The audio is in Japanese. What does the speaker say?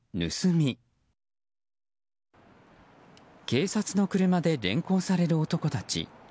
警察の車で連行される男たち。